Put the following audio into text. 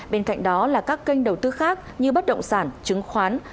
bên cạnh đó là các kênh đầu tư khác như bất động sản chứng khoán